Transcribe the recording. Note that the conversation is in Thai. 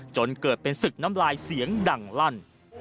จนเกิดเป็นศึกน้ำลายเสียงดังลั่น